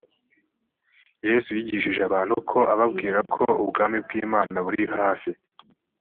yesu yigishije abantu ko ababwira ko ubwami bw’imana buri hafi